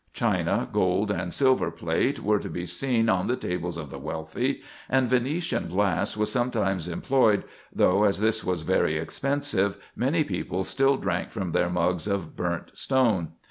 China, gold, and silver plate were to be seen on the tables of the wealthy, and Venetian glass was sometimes employed, though, as this was very expensive, many people still drank from their mugs of burnt stone.